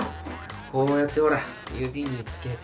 こうやってほら指につけて。